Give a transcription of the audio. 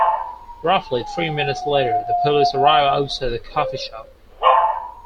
Roughly three minutes later, the police arrive outside the coffee shop.